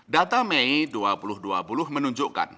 data mei dua ribu dua puluh menunjukkan